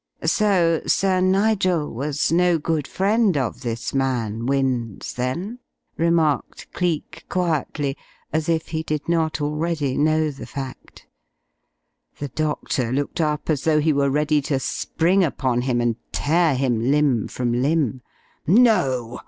"So Sir Nigel was no good friend of this man Wynne's, then?" remarked Cleek, quietly, as if he did not already know the fact. The doctor looked up as though he were ready to spring upon him and tear him limb from limb. "No!"